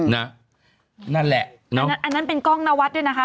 นั่นแหละอันนั้นเป็นกล้องนวัดด้วยนะคะ